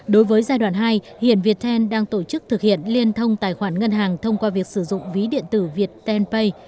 đối với giai đoạn hai hiện việt thên đang tổ chức thực hiện liên thông tài khoản ngân hàng thông qua việc sử dụng ví điện tử việt tenpay